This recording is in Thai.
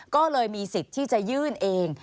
ก็เลยมีสิทธิ์ที่จะยื่นเอง